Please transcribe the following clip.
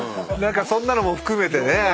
何かそんなのも含めてね。